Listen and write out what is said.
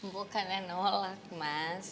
bukannya nolak mas